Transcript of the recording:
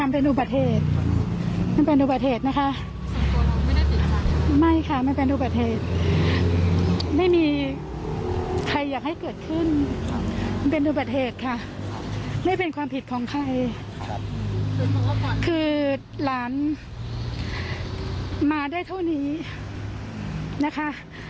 มาได้เท่านี้นะครับขอบคุณมากค่ะ